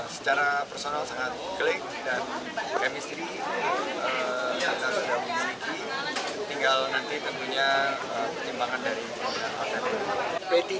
secara personal sangat klik dan chemistry yang sudah memiliki tinggal nanti tentunya penyimbangan dari fmi